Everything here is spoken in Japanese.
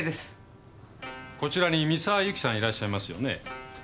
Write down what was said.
こちらに三沢友紀さんいらっしゃいますよね